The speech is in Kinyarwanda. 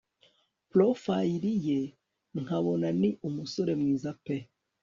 profile ye nkabona ni umusore mwiza pe